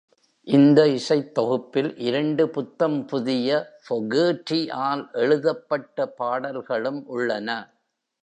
இந்த இசைத்தொகுப்பில் இரண்டு புத்தம்புதிய, Fogertyஆல் எழுதப்பட்ட பாடல்களும் உள்ளன.